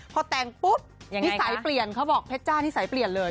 พอแต่งปุ๊บนิสัยเปลี่ยนเขาบอกเพชรจ้านิสัยเปลี่ยนเลย